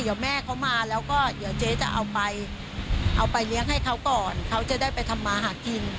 เดี๋ยวแม่เขามาแล้วก็เดี๋ยวเจ๊จะเอาไปเอาไปเลี้ยงให้เขาก่อนเขาจะได้ไปทำมาหากิน